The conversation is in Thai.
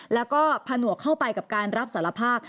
แล้วก็ผนวกเข้าไปกับการรับสารภาพ